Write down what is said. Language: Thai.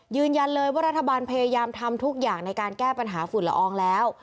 ยืนยันเลยว่ารัฐบาลพยายามทำทุกอย่างในการแก้ปัญหาฝุ่นละอองแล้ว